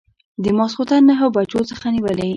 د ماخوستن نهه بجو څخه نیولې.